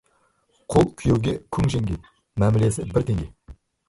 Құл күйеуге күң жеңге, мәмілесі бір теңге.